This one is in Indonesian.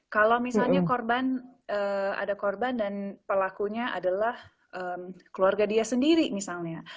kalau misalnya korban ada korban dan pelakunya adalah keluarga dia sendiri misalnya